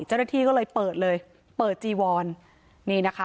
เจ้าหน้าที่ก็เลยเปิดเลยเปิดจีวอนนี่นะคะ